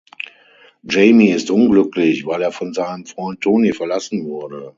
Jamie ist unglücklich, weil er von seinem Freund Tony verlassen wurde.